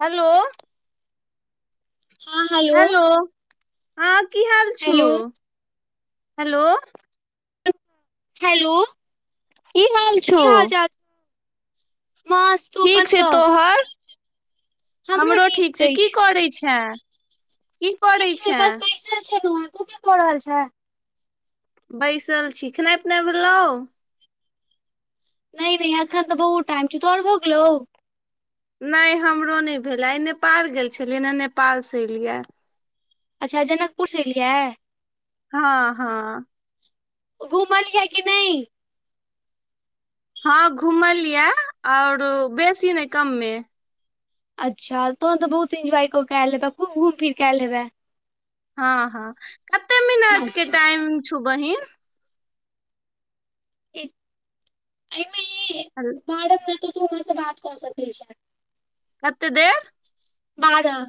हेल हँ हेल हेलो हँ की हाल छु हेल हेलो की कि छौ हाल चाल मस् ठीक छै तोह हमरो ठीक छै की करैत छै की करैत छ रे छेनुआं तू की कऽ रहल बैसल छी खेनाइ पिना भेल नहि नहि अखन त बहुत टाइम छै तोहर भोगल नहि हमरो नहि भेलै आइ नेपाल गेल छलियै हे नेपाल से एलिय अच्छा जनकपुर से एलिय हँ ह घुमलिय कि नह हँ घुमलियै आओर बेसी ने कमम अच्छा तहन तऽ बहुत इन्जॉय कय ल हेब खू घुम फिर कय ल हेब हँ हँ कते मिनट के अच्छा टाइम छौ बहि एहिमे इ बाड ने तऽ तू हमरा से बात कऽ सकै छ कतेक दे बार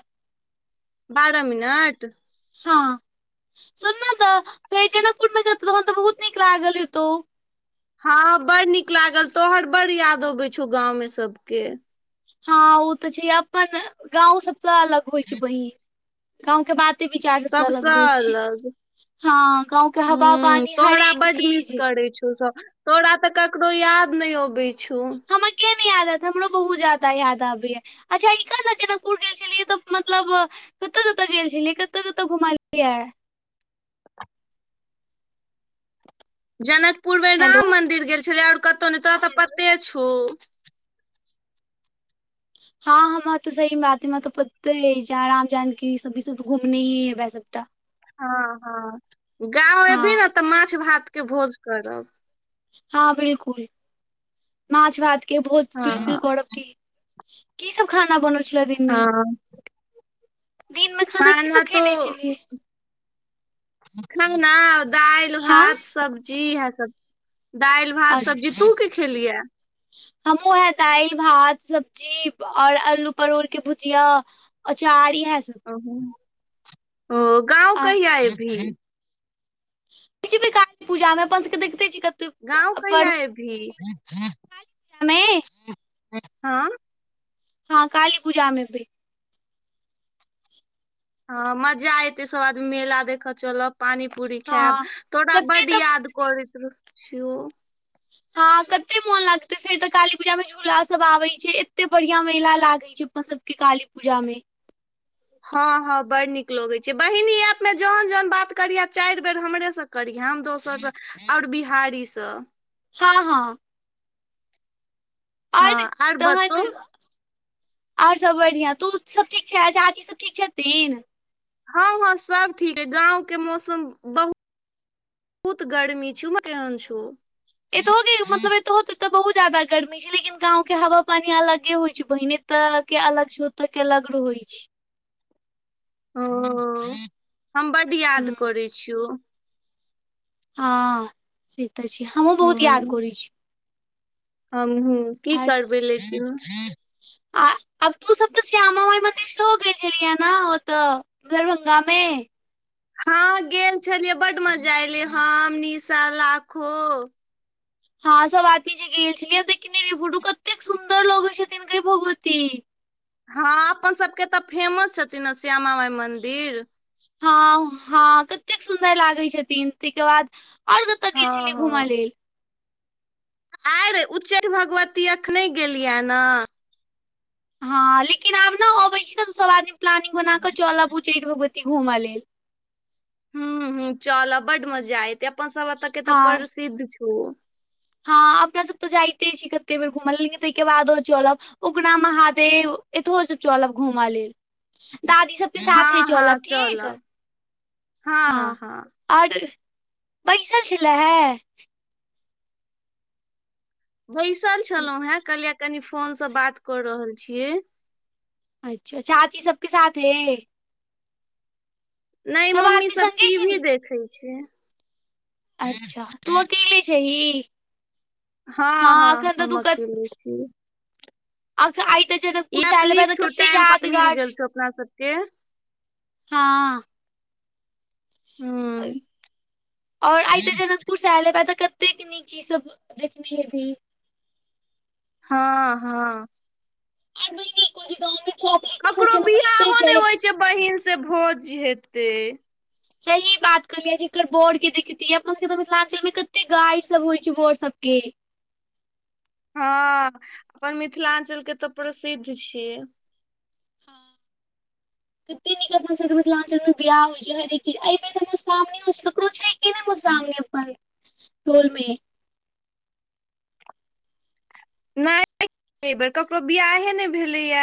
बारह मिनट हा सुनना तऽ भेटे न कुमे हन तऽ बहुत नीक लागल ह त हँ बड़ नीक लागल तोहर बड्ड याद अबैत छौ गाँंव मे सबक हँ ओ तऽ छै अपन गाँंव सबसँ अलग होइ छै बहिन गाँंव के बा विचार सबसऽ अलग सबसँ होइ छ अलग हँ गाँवके हवा ह पानी तोहरा हरेक बड मिस चीज करै छौ सब तोरा तऽ ककरो याद न अब हमरा के न याद आत है हमरो बहुत ज्यादा याद आबै ह अच्छा एक ने जनकाकूर गेल छलियै तऽ मतल कतय कतय गेल छलियै कतय कतहु घुमलिय जनकपुर मे हेलो राम मंदिर गेल छलै आर कतहु नहि तोरा तऽ पते छ हँ हम तऽ सही बात हमा तऽ पते अछि राम जानकी सब सब घुमने ही हेबै सबट हँ हँ गा एबी हँ ने तऽ माछ भात के भोज कर हँ बिलकुल माछ भात के भोज हँ बिलकुल करव क की सब खाना बनल छलै दिनम साना त छलियै खान दालि हँ भात सब्जी इएह स दालि भात सब्जी तू की खेलिय हमहुँ हे दालि भात सब्जी और आलू परोर के भुजिय अचार इहे स ओ ओ गाँव आ कहिआ एबी [unintelligible] पूजामे अपन सभके देखे छी कटेक गाँव कहिआ एब ही मे ह हँ काली पूजा में एभे हँ मजा एते सब आदमी मेला देख चलब पानी पूड़ी खायब हँ तोरा कते बड तऽ याद [inaudible] हँ ह कते मन लागते फेर त काली पूजा मे झूला सब आबे छै एते बढ़ियां मेला लागे छै अपन सब के काली पूजामे हँ हँ बड़ नीक लगैत छै बहिनी ऐप मे जहन जहन बात करिय चारि बेर हमरे सभ करिहन दोसरसँ आओर बिहारीसँ हँ हँ आर हँ तहन बतो आओर सब बढ़िआँ तु सब ठीक छै झाजी सब ठीक छथिन हँ हँ सब ठीक है गाँंव के मौसम बहुत बहुत गर्मी छौ उमहर कहैन छै एतहो के मतब एतहु बहुत जयदा गर्मी लेकिन गांव के हवा पानी अलगे होइ छै बहिने ए त के अलग छै ओत के अलग रहै छै ओ हम बड याद हूँ करै छियौ हँ से त छै हमहूँ बहुत याद करैत छी हमहूं की आर करबे ले के आ तू सब त श्यामा माइ मन्दिर सेहो गेल छलहिं ने ओत दरभंगा मे हँ गेल छलियै बड मजा एले हम निशा लाखो हँ सब आदमी जे गेल छैल ही ह देखने रहिय फोटो कतेक सुन्दर लगे छथिन गए भगवती हँ अपन सभके त फेमस छथिन ने श्यामा माइ मंन्दिर हँ हँ कतेक सुन्दर लागै छथिन ताहिके बाद आओर कतय गेल हँ छलियै घूम हँ लेल आर उच्चै भगवती अखने गेलिय ने हँ लेकिन आब ने अबै छी तऽ सभ आदमी प्लानिंग बना कऽ चलब उचैचठ भगवती घूमऽ लेल ह ह चल बड मजा आयते अपन सब ए त के त हँ प्रसिद्ध छौ हँ अपना सब तऽ जाइते छी कते बेर घूमल लेकिन ताहिके बादो चलब उगनाा महादेव इथ हो सब चलब घुमालेल दादी सबके हँ साथ हे हँ चलब ठीक चलब हँ आर बैसल छल है बैसल छलहुं हेँ कलए कनि फोन से बात कर रहल छियै अच्छा चाची सबके साथे नए मम्मी आदमी सब संगे छी टीभी ने देखै छै अच्छा तो अकेले छीही हँ हँ हम अकेले छी अख आइ त ई जगनकपुर से अपने आइल नीक हेम त छौ कटक टाइम पर मिल यादगार गेल छौ अपना सबके हँ हूँ आओर आइत जनकपुर जनकपुर सा आईल हेबा तऽ कतेक नीक चीज सब देखने हेभी हँ हँ हर महिने को दी गाँवमे ककरो वियाहने होइ छै बहिन से भोज हेते सही बात कहलिय जे एककर बोर के देखितिय अपन सबके तऽ मिथिलांचल मे कते गाली सब होइ छै बोर सब के हँ अपन मिथलांचल के त प्रसिद्ध छियै हँ कते नीक अपना सबके मिथिलाञ्चल मे बियाह होइ छै हरेक चीज एहि बेर त मधुश्रामीनियो छै ककरो छै कि कने मुसरामनी अपन टोलमे नहि एहि बेर ककरो बियहे नहि भेलैय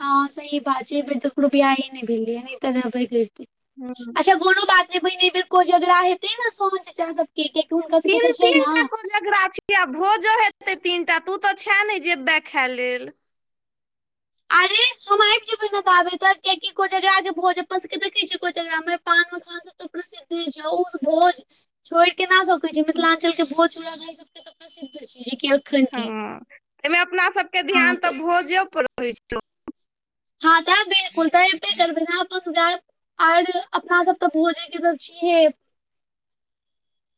हँ सही बात छै फर त ककरो भी आइ नहि भेललिय तऽ करितै ह अच्छा कोनो बात नहि पहिने एहि बेर को झगड़ा हेतै ने सोच चा सबके कियाकि हुनका सबके तीन तऽ छै तीन न टा कोजगरा छीयै भोजो हेतै तीनटा तू तऽ छेने जेबय खाय लेल अरे हम आबि जेबै ने तऽ आबे त कियाकि कोजगरा के अपन सब के भोज देखे छियै कोजगरा मे पान मखान स प्रसिद्ध ज भोज छोड़ के न सकय मिथिलांचल के बोज चूलााई सब के तऽ प्रसिद्ध छै जे क हँ एहिमे अपना सबके ध्यान तऽ भोजेो पर रह छ हँ तऽ बिल्कुल तय एबे करबे नऽ [unintelligible] आर अपना सब तऽ भोजे के तऽ छिय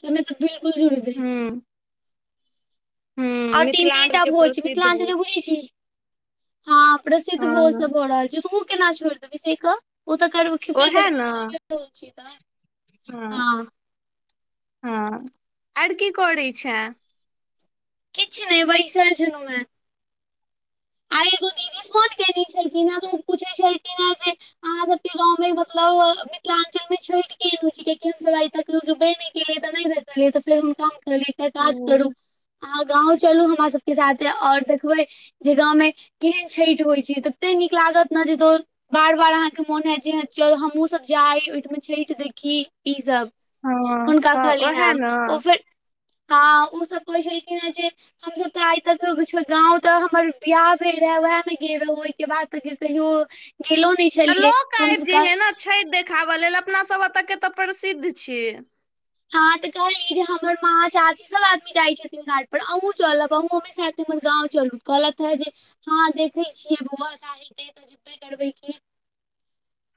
तमे तऽ बिल्कुल झुड़बै हूँ हूँ आऔर तीन तन मिथिलाञ्चल टा के भोज छै प्रसिद्ध मिथलांचल मे भोज बुजी छ हँ प्रसिद्ध भोज हँ सब भ रहल छै तू ओ केना छोड़ि देष ओ तऽ कर खेपे ओहे करबै न नऽ एतो छि तऽ हँ हँ आर की करै किछ नहि बैसार छै नुह आई एगो दीदी फोन केने छलखिन हे तो पूछे छलखिन हे जे अहाँ सब के गांव मे मतलब मिथिलाञ्चल मे छठिके गुरुजीके केन सब आइ तक गेबे नहि केलिय तऽ नहि भेटलियै तऽ फेर हुनका ल तऽ ओ काज करू अहाँ गाँंव चलु हमरा सबके साथे और देखब जे गाँवमे केहन छठि होइ छै तते नीकलागत ने जे दो बार बार अहाँके मोन हयत जे चल हमहूँ सब जाइ ओहिठमा छठि देखी ईस हँ हुनका हँ ओहे खलिनााम न ओ फे हँ ओ सब कहै छलखिन हे जे हमस तऽ आइ तक किछो गाँंव तऽ हम बियाह भेल रहे वएह में गेल रहौ ओहि के बाद त कहियो गेलो नहि छ तऽ लोक आबि जे हे ने छठि देखाबय लेल अपना सब एतऽ के तऽ प्रसिद्ध छि हँ तऽ कहली जे हमर माँ चाची सब आदमी जाइ छथ घाट पर अहूँ चलब अहहुँमे साथ हमर गाव चल कहलत हे ज हँ देखे छियै बौआस हेतै तऽ जबबे करबै क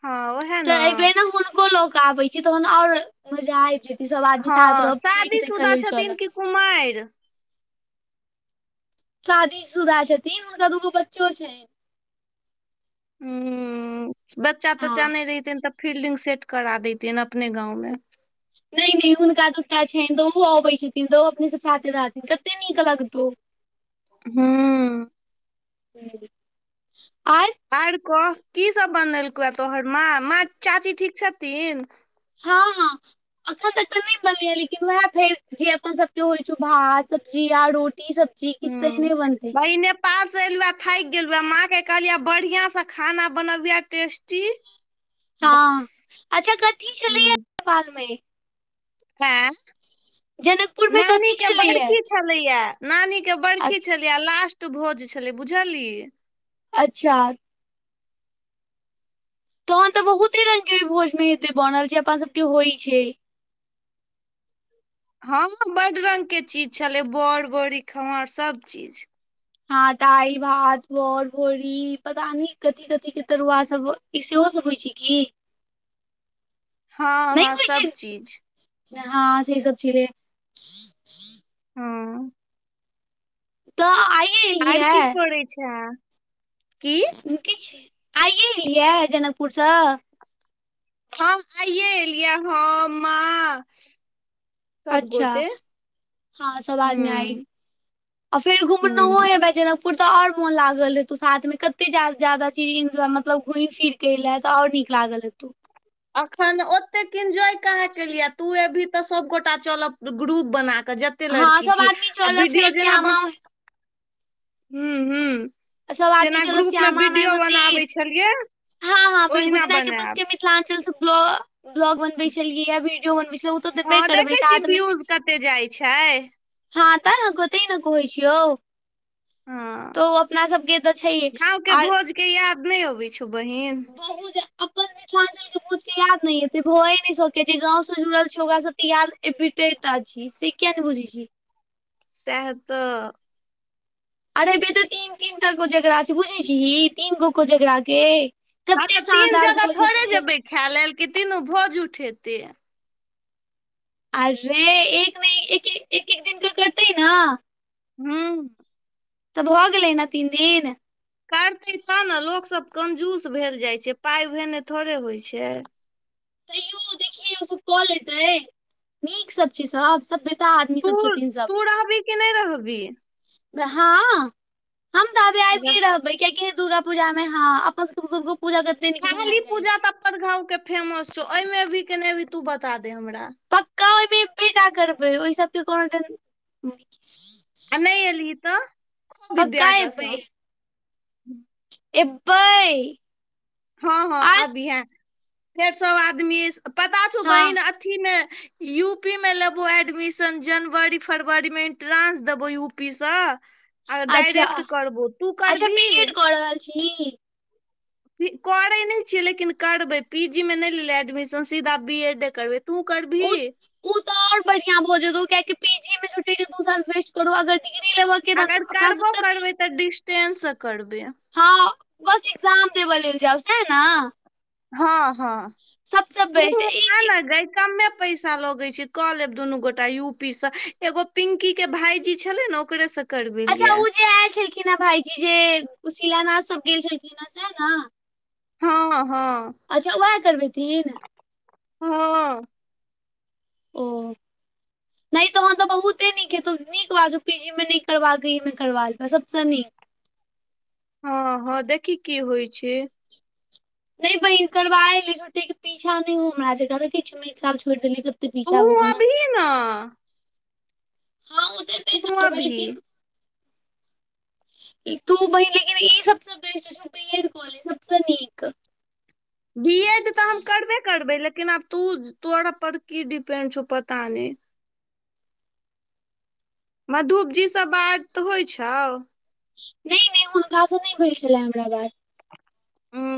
ह तऽ ए बेेर ने हुनको ल आबे छै तहन आओर मजा आबि जे ई सब आदमी साथ रह छठि देखऽ लेल चल कुमार शादी सुधा छथिन हुनका दूगो बच्चो ह बच्चा हँ तच्चा नहि रहितेन तऽ फिलल्डिंग सेट करा देतेन अपने गांव मे नहि नहि हुनका दूटा छनि तऽ ओ अबैत छथिन तऽ ओ अपने सब साथे रहथिन कते नीक लगत [inaudible] ह आ आर कह की सब बनेलको तोहर माँ माँ चाची ठीक छथि हँ ह अखन तक त नहि बनैया लेकिन वएह फेर जे अपन सबके होइ छै भात सब्जी आ रोटी स जी किछु तऽ ह नहि बनत पार से एलु थाकि गेलु ह माँं के कहलिये बढ़िया से खाना बनवुे टेस्ट हँ अच्छा कथी छलैया नेपाल म ह जनकपुर मे नानी कथी के छलैया बरख छलैया नानी के बर्खी छलिय आ लास्ट भोज छलै बुझल अच्छ तहन तऽ बहुते रंग के भोज मे हेत बनल छै अपन सबके होइ छ हँ बड रंगग के चीज छलै बड़ बड़ी खमहर सब ची हँ दाल भात बर भोरी पता न कथी कथी के तरुआ स ई सेहो सब होइ छै क हँ हँ सब ची हँ से सब छल हँ तऽ आ आर की करै छ क किछु आइए एलियै जनकपुरसँ? हँ, आइए एलियै हम माँ सब अच्छा, गोटे हँ, सभ आदमी आई हूँ आ फेर घुमना हूँ हयाभै जनकपुर। तऽ आओर मोन लागल रहै, तू साथमे कतेक ज्यादा चीज एन्जॉय मतलब घुमि-फिरि। केले त आओर नीक लागल हेतै अखन ओतेक एन्जॉय कहऽ कऽ लिअ, तू अभी तऽ सभगोटा ग्रुप बना कऽ चलब। कतेय हँ लड़की सब छिय आदमी आ चलब वीडियो फेर जेना ब श्यामा हू हू सब आदमी जेना चलब ग्रुपमे श्यामा माइ वीडियो मंदिर बनाबै छलियै। हँ, हँ बिल्कूल जी ओहिना नहिके पासके बनायब मिथिलांचलसँ ब्ल ब्लॉग बनबै छलियै, या वीडियो बनबै छलै ओ तऽ। देबे हँ, करबै देखै छीय साथमे व्यूज कते जाइ छै। हँ, ता नेते न कहै छी यौ। हँ तऽ अपना सभके तऽ छै। गाँंव के आर भोज के याद नहि अबै छौ बहन? ब अपन मिथिलांचलके भोजके य याद नहि एते भए नहि सकै छै, जे गाव से जुड़ल छी ओकरा सभके याद अबिते तऽ छी से किया ने बुझे छी। सह तऽ। अरेबे तऽ तीन तीन तटाक जकरा छै, बुझै छी तीन गो को जकराके हँ, तऽ तीन जगह थोड़े जेबै खाय लेल, कि तीनू भोज उठेतै। अरे एक नहि एक एक दिन क करतै न। हँ। तऽ भऽ गेलैने तीन दिन करतै तब ने लोकसभ कंजूस भेल जाइ छै पाय भेने थोड़े होइत छै। तैयो देखिये ओ सभ कल लेते नीक सभ छै सभ सभ का आदमी सभ छथिन सभ के नहि रहबी। हँ, हम तब अ। बै कियाकि दुर्गा पूजामे हँ, अपन सभके दुर्गो पूजा कते नीक मनायल जाइ छै। गामके फेमस छौ, हिमे एबहि कि नहि तू बता दे हमरा। पक्का ओहिमे एबेटा करबै ओहि सभके कोनो आ नै एलेहि तऽ खो, पक्का दिव्या कसम। एबेए। हँ-हँ, आबहीए छै, फेर सभ आदमी पता छै हँ बहिन, अथीमे। यू पी मे लेबो एडमिशन जनवरी फरवरीमे इंट्रंस देबौ यू पी सऽ अच्छा, अच्छा, बी एड कऽ रहल छी? करे नहि छियै, लेकिन करबै पी जी मे नहि लेले एडमिशन सीधा बी एड करबे, तू करब? ओ, ओ त आओर बढ़ियां भऽ जेतौ कियाकि पी जी झेथेके दू साल वस्ते करो अगर डिग्री ले। अगर करबो, करबै तऽ डिस्टेंस करबै। हँ, बस ए्जाम देब लेल जाउस है ने। हँ, हँ, सबसँ तू बेस्ट ई आ जे ने गै कम्मे पैसा लगे छै, कऽ लेब दुनू गोटा यू पी से एगो पिंकी के भाईजी छले ने ओकरेसँ अच्छा, ओ जे आयल छलखिन हे भाईजी जे ओशिलानाथ सभ गेल छलखिन हे सह ने? हँ हँ। अच्छा उएह करबेथिन? हँ। ओ। नहि तहन तऽ बहुते नीक हेतौ नीक बात पी जी मे नहि करबाक एहि करबा लेब सभसँ नीक। हँ, हँ। देखि की होइ छै। नहि बहिन करबा एलै छुट्टीके पीछा नहि हो हमरा किछ एक साल छोड़ि देली। पीछा भो गनो न हँ तऽ एबे कुआ करबै भी लेकिन तू बहिन लेकिन ई सबसँ बेस्ट छै बी एड कॉलेज सबस नीक बी एड तऽ हम करबे करबै लेकिन आब त तोरा पर की डिपेंड छौ पता नहि मधुप जी सब बाढ़ तऽ होइ छौ नहि नहि हुनकासँ नहि भेल छलनि हमरा बार हूँ